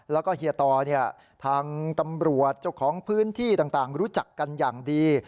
แล้วก็เฮียตอทางตำรวจเจ้าของพื้นที่ต่างรู้จักกันอย่างดี